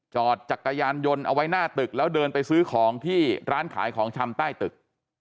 จอดจักรยานยนต์เอาไว้หน้าตึกแล้วเดินไปซื้อของที่ร้านขายของชำใต้ตึก